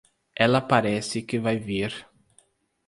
Ela parece que vai vir.